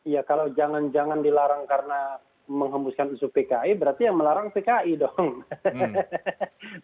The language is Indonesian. ya kalau jangan jangan dilarang karena menghembuskan isu pki berarti ya melarang pki dong